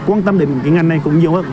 quan tâm đến ngành này cũng nhiều hơn